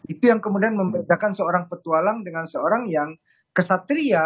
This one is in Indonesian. itu yang kemudian membedakan seorang petualang dengan seorang yang kesatria